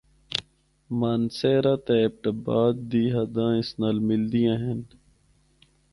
مانسہرہ تے ایبٹ آباد دی حداں اس نال ملدیاں ہن۔